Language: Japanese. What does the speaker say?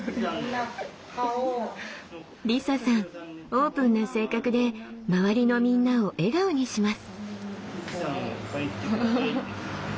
オープンな性格で周りのみんなを笑顔にします。